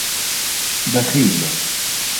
بخيل